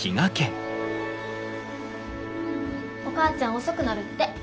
お母ちゃん遅くなるって。